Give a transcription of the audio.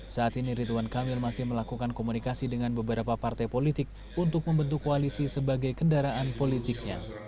saat ini ridwan kamil masih melakukan komunikasi dengan beberapa partai politik untuk membentuk koalisi sebagai kendaraan politiknya